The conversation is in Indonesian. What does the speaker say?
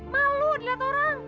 malu dilihat orang